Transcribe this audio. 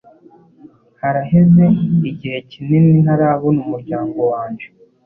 Haraheze igihe kinini ntarabona umuryango wanje.